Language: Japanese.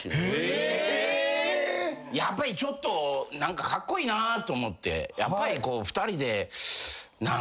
やっぱりちょっと何かカッコイイなと思ってやっぱり。